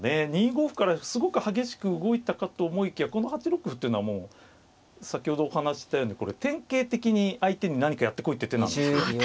２五歩からすごく激しく動いたかと思いきやこの８六歩っていうのはもう先ほどお話ししたようにこれ典型的に相手に何かやってこいって手なんですよ。